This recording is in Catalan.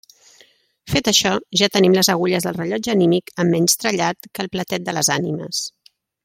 Fet això, ja tenim les agulles del rellotge anímic amb menys trellat que el platet de les ànimes.